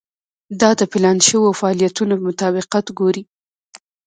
دا د پلان شوو فعالیتونو مطابقت ګوري.